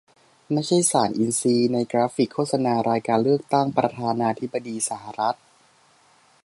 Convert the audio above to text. ไม่ใช่ สาร"อินทรีย์" - ในกราฟิกโฆษณารายการเลือกตั้งประธานาธิบดีสหรัฐ